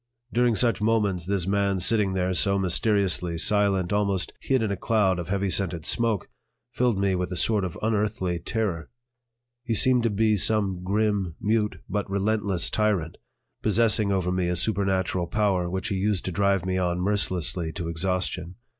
During such moments this man sitting there so mysteriously silent, almost hid in a cloud of heavy scented smoke, filled me with a sort of unearthly terror. He seemed to be some grim, mute, but relentless tyrant, possessing over me a supernatural power which he used to drive me on mercilessly to exhaustion.